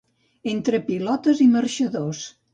Entre pilotes i marxadors.